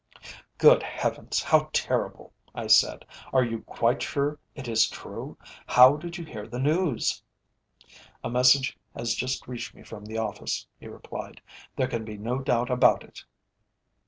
"Good Heavens! how terrible!" I said. "Are you quite sure it is true? How did you hear the news?" "A message has just reached me from the Office," he replied. "There can be no doubt about it!"